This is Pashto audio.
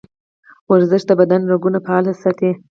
ورزش د بدن رګونه فعال ساتي.